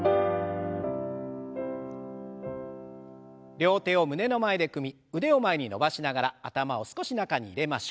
両手を胸の前で組み腕を前に伸ばしながら頭を少し中に入れましょう。